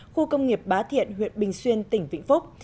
khu công nghiệp bá thiện huyện bình xuyên tỉnh vĩnh phúc